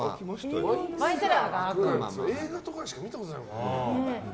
映画とかでしか見たことない。